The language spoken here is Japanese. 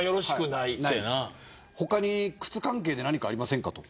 他に靴関係で何かありませんかと。